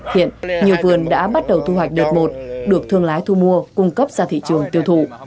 hiện nhiều vườn đã bắt đầu thu hoạch đợt một được thương lái thu mua cung cấp ra thị trường tiêu thụ